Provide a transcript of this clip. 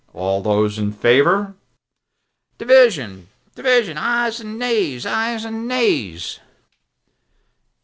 All those in favor " Voices "Division! Division! Ayes and nays! Ayes and nays!"